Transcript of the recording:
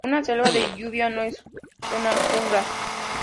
Una selva de lluvia no es una "jungla".